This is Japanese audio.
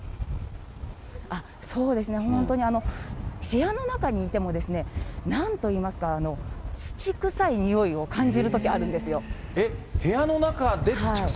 そうですね、本当に部屋の中にいても、なんといいますか、土臭いにおいを感じるときあるんですよ。